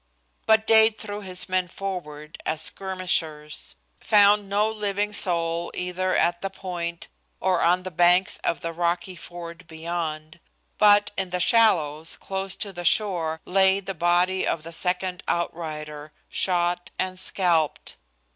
But Dade threw his men forward as skirmishers; found no living soul either at the point or on the banks of the rocky ford beyond; but, in the shallows, close to the shore, lay the body of the second outrider, shot and scalped.